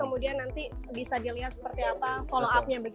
kemudian nanti bisa dilihat seperti apa follow up nya